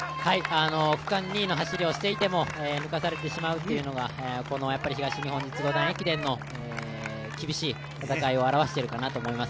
区間２位の走りをしていても抜かされてしまうというのがこの東日本実業団駅伝の厳しい戦いを表しているかなと思います。